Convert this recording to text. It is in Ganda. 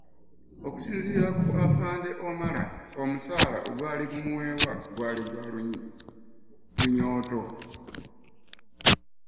Okusinziira ku Afande Omala, omusaala ogwali gumuweebwa gwali gwa lunyoto.